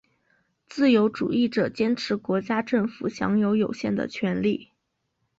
自由主义者坚持国家政府享有有限的权力。